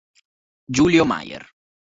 Giulio Maier